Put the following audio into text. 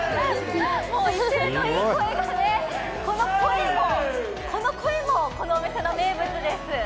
威勢のいい声がね、この声もお店の名物です。